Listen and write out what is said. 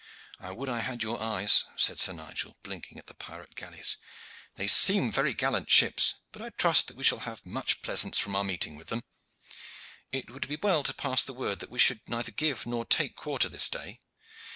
"I would I had your eyes," said Sir Nigel, blinking at the pirate galleys. "They seem very gallant ships, and I trust that we shall have much pleasance from our meeting with them. It would be well to pass the word that we should neither give nor take quarter this day.